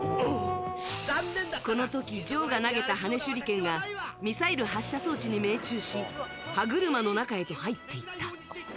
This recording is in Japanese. この時、ジョーが投げた羽根手裏剣がミサイル発射装置に命中し歯車の中へと入っていった。